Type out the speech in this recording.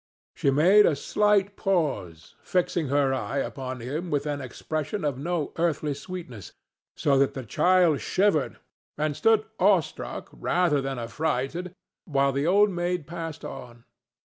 She made a slight pause, fixing her eye upon him with an expression of no earthly sweetness, so that the child shivered and stood awestruck rather than affrighted while the Old Maid passed on.